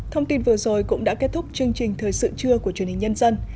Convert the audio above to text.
thông tin vừa rồi cũng đã kết thúc chương trình thời sự trưa của truyền hình nhân dân